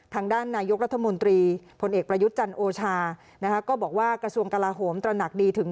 ทางด้านนายกรัฐมนตรีพลเอกประยุทธ์จันทร์โอชานะคะก็บอกว่ากระทรวงกลาโหมตระหนักดีถึง